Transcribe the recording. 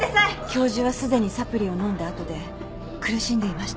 教授はすでにサプリを飲んだあとで苦しんでいました。